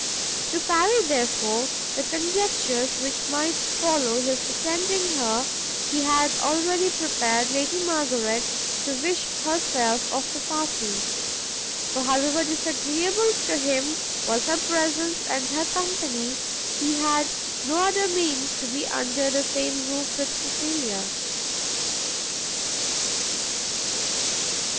To parry, therefore, the conjectures which might follow his attending her, he had already prepared Lady Margaret to wish herself of the party: for however disagreeable to him was her presence and her company, he had no other means to be under the same roof with Cecilia.